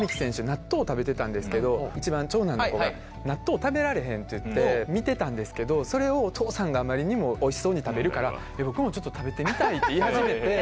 納豆を食べてたんですけど一番長男の子が納豆食べられへんっていって見てたんですけどそれをお父さんがあまりにもおいしそうに食べるから。って言い始めて。